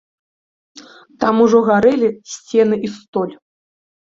Там ужо гарэлі сцены і столь.